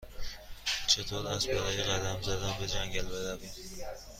چطور است برای قدم زدن به جنگل برویم؟